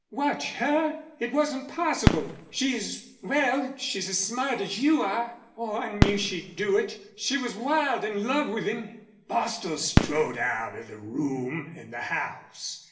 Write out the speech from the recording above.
"Watch her? It wasn't possible. She's well, she's as smart as you are.... Oh, I knew she'd do it! She was wild in love with him!" Bostil strode out of the room and the house.